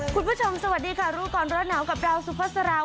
คุณผู้ชมสวัสดีค่ะรูปกรณ์รถหนาวกับเราสุภาษาราว